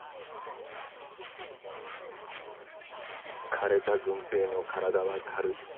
かれた郡平の体は軽い。